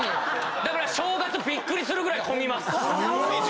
だから正月びっくりするぐらい混みます。